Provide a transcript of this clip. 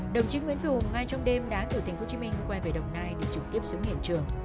đồng chí nguyễn dù ngay trong đêm đã từ tp hcm quay về đồng nai để trực tiếp xuống hiện trường